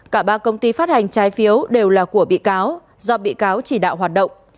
cả ba công ty phát hành trái phiếu đều là của bị cáo do bị cáo chỉ đạo hoạt động